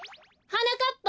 はなかっぱ！